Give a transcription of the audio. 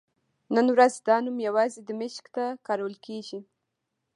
نن ورځ دا نوم یوازې دمشق ته کارول کېږي.